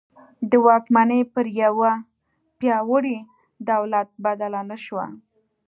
د واکمني پر یوه پیاوړي دولت بدله نه شوه.